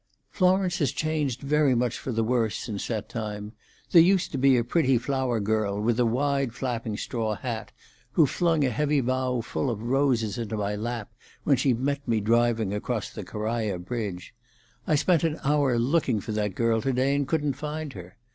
"Florence has changed very much for the worse since that time. There used to be a pretty flower girl, with a wide flapping straw hat, who flung a heavy bough full of roses into my lap when she met me driving across the Carraja bridge. I spent an hour looking for that girl to day, and couldn't find her.